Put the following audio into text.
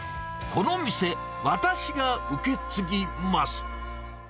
この店、私が受け継ぎます。